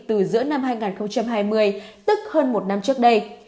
từ giữa năm hai nghìn hai mươi tức hơn một năm trước đây